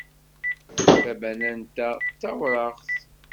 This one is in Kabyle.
Tabanant-a d tawraɣt.